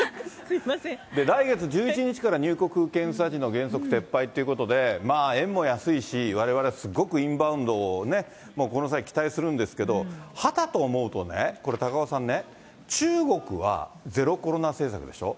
来月１１日から入国検査時の原則撤廃ということで、まあ、円も安いし、われわれすっごくインバウンドをね、この際、期待するんですけれども、はたと思うとね、これ高岡さんね、中国はゼロコロナ政策でしょ。